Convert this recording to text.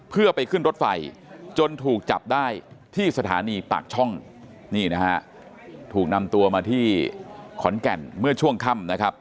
เพื่อไปขึ้นรถไฟจนถูกจับได้ที่สถานีปากช่องนี่นะฮะถูกนำตัวมาที่ขอนแก่นเมื่อช่วงค่ำนะครับ